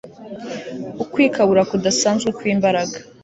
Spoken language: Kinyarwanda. Ukwikabura kudasanzwe kwi mbaraga